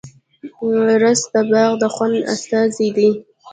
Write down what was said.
رس د باغ د خوند استازی دی